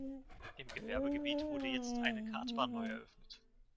Im Gewerbegebiet wurde jetzt eine Kartbahn neu eröffnet.